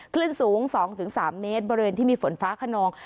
คลื่นสูง๒๓เมตรบริเวณที่มีฝนฟ้าขนอง